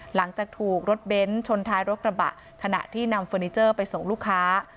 หลังจากถูกรถเบ้นชนท้ายรถกระบะขณะที่นำเฟอร์นิเจอร์ไปส่งลูกค้า